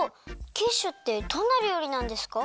キッシュってどんなりょうりなんですか？